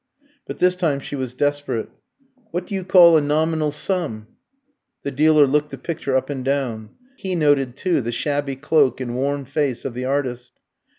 But this time she was desperate. "What do you call a nominal sum?" The dealer looked the picture up and down; he noted, too, the shabby cloak and worn face of the artist.